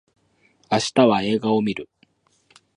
明日は映画を見る